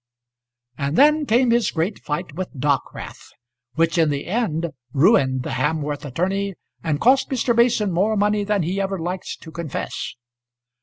And then came his great fight with Dockwrath, which in the end ruined the Hamworth attorney, and cost Mr. Mason more money than he ever liked to confess.